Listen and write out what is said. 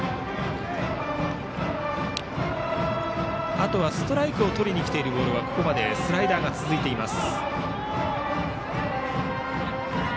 あとはストライクをとりに来ているボールはここまでスライダーが続いています。